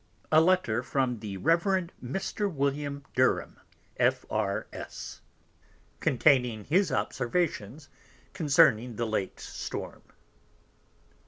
A Letter from the Reverend Mr. William Derham, F.R.S. Containing his Observations concerning the late Storm.